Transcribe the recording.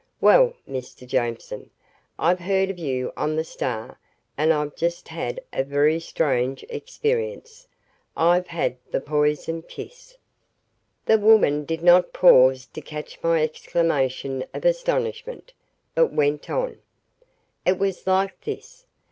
"Well, Mr. Jameson, I've heard of you on the Star and I've just had a very strange experience. I've had the poisoned kiss." The woman did not pause to catch my exclamation of astonishment, but went on, "It was like this.